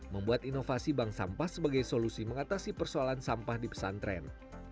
membuat inovasi bank sampah sebagai solusi mengatasi persoalan sampah di pesantren